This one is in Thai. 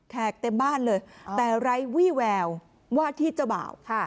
เต็มบ้านเลยแต่ไร้วี่แววว่าที่เจ้าบ่าว